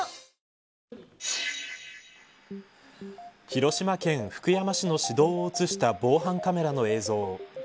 広島県福山市の市道を映した防犯カメラの映像。